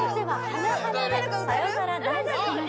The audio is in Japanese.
花で「さよなら大好きな人」